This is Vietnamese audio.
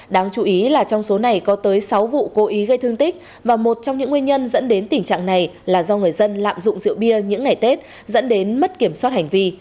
đáng chú ý là trong số này có tới sáu vụ cố ý gây thương tích và một trong những nguyên nhân dẫn đến tình trạng này là do người dân lạm dụng rượu bia những ngày tết dẫn đến mất kiểm soát hành vi